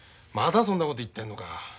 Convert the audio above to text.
まだそんなこと言ってんのか。